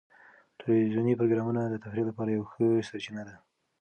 ټلویزیوني پروګرامونه د تفریح لپاره یوه ښه سرچینه ده.